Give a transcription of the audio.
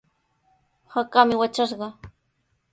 Hakaami watrashqa.